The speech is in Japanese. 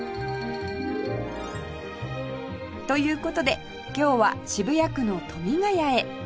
という事で今日は渋谷区の富ヶ谷へ